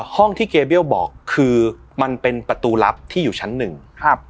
ห้องที่เกเบี้ยวบอกคือมันเป็นประตูลับที่อยู่ชั้นหนึ่งครับ